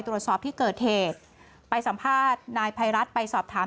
ตรวจสอบที่เกิดเหตุไปสัมภาษณ์นายไพรัช